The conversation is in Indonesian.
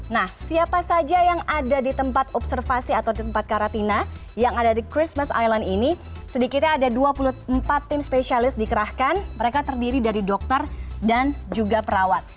nah siapa saja yang ada di tempat observasi atau tempat karantina yang ada di christmas island ini sedikitnya ada dua puluh empat tim spesialis dikerahkan mereka terdiri dari dokter dan juga perawat